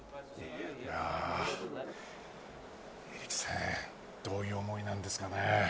エリクセンどういう思いなんですかね。